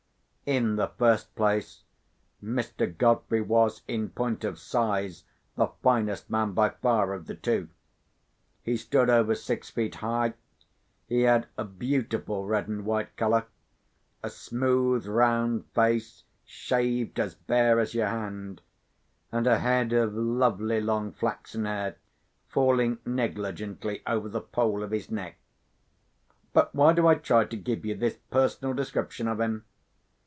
In the first place, Mr. Godfrey was, in point of size, the finest man by far of the two. He stood over six feet high; he had a beautiful red and white colour; a smooth round face, shaved as bare as your hand; and a head of lovely long flaxen hair, falling negligently over the poll of his neck. But why do I try to give you this personal description of him?